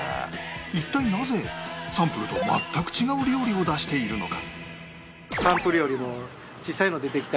一体なぜサンプルと全く違う料理を出しているのか？